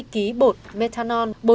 bốn mươi kg bột methanol